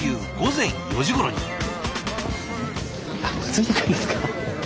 ついてくるんですか？